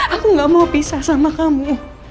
aku gak mau pisah sama kamu